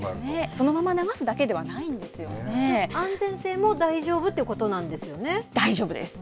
そのまま流すだけではないんです安全性も大丈夫ということな大丈夫です。